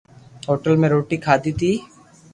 ھوٽل مي روِٽي کاڌي تي